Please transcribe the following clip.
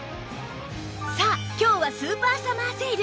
さあ今日はスーパーサマーセール